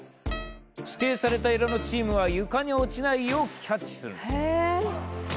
指定された色のチームは床に落ちないようキャッチする。